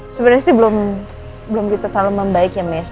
sebenarnya sih belum belum gitu terlalu membaik ya miss